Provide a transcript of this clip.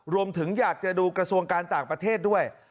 รวมถึงอยากจะดูกระทรวงการต่างประเทศด้วย